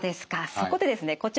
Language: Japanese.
そこでですねこちら。